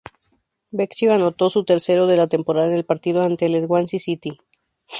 Becchio anotó su tercero de la temporada en el partido ante el Swansea City.